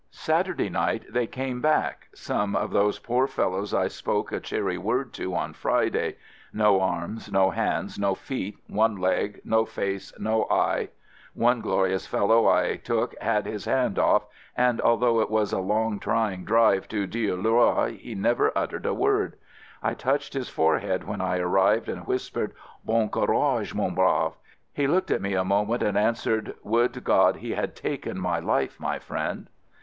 Saturday night they came back, some 58 AMERICAN AMBULANCE of those poor fellows I spoke a cheery word to on Friday — no arms — no hands — no feet — one leg — no face — no eye — One glorious fellow I took had his hand off, and although it was a long trying drive to Dieulouard he never uttered a word. I touched his forehead when I ar rived and whispered, "Bon courage, mon brave!" He looked at me a moment and answered, "Would God he had taken my life, my friend."